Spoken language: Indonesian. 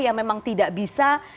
yang memang tidak bisa